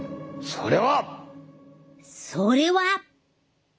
それは。それは。